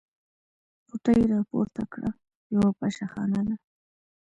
غوټې يې راپورته کړې: یوه پشه خانه ده.